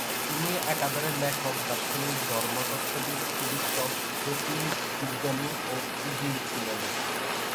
তিনি একাধারে লেখক, দার্শনিক, ধর্মতত্ত্ববিদ, চিকিৎসক, জ্যোতির্বিজ্ঞানী ও উজির ছিলেন।